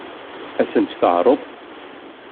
Ad sen-tt-teɛṛeḍ?